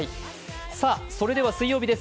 それでは、水曜日です